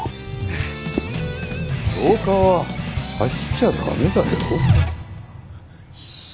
廊下は走っちゃダメだよ。